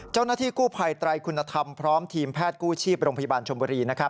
เจ้าหน้าที่กู้ภัยไตรคุณธรรมพร้อมทีมแพทย์กู้ชีพโรงพยาบาลชมบุรี